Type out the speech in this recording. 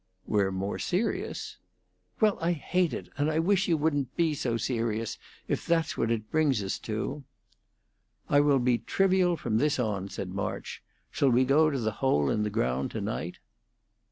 "We're more serious." "Well, I hate it; and I wish you wouldn't be so serious, if that's what it brings us to." "I will be trivial from this on," said March. "Shall we go to the Hole in the Ground to night?"